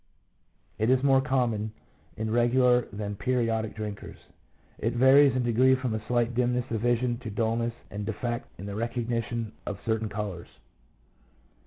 It is more common in regular than periodic drinkers. It varies in degree from a slight dimness of vision to dulness and defect in the recognition of certain colours.